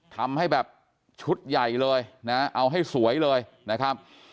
ทำให้แบบชุดใหญ่เลยนะเอาให้สวยเลยนะครับ